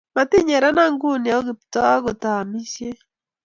matinyerena nguni ako Kiptooo akot aamisie